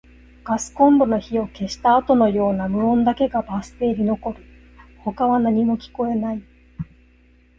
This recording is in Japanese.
ガスコンロの火を消したあとのような無音だけがバス停に残る。他は何も聞こえない。